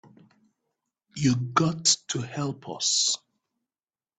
You got to help us.